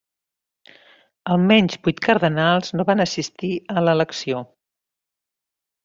Almenys vuit cardenals no van assistir a l'elecció.